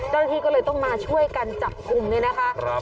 แล้วทีก็เลยต้องมาช่วยการจับกลุ่มเนี่ยนะคะ